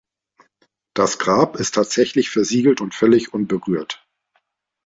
Das Grab ist tatsächlich versiegelt und völlig unberührt.